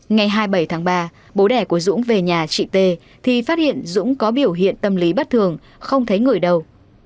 ngày hai mươi bảy tháng ba bố đẻ của dũng về nhà chị t thì phát hiện dũng có biểu hiện tâm lý bất thường không thấy người đâu